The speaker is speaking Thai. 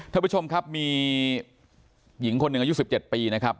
ท่านผู้ชมครับมีหญิงคนหนึ่งอายุ๑๗ปีนะครับ